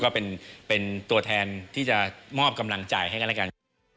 ก็เป็นตัวแทนที่จะมอบกำลังใจให้กันแล้วกัน